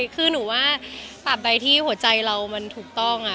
คือหนูว่าตามใดที่หัวใจเรามันถูกต้อง